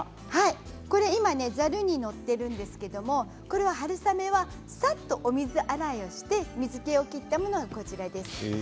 今、ざるに載っているんですけども春雨はさっと水洗いして水けを切ったものがこちらです。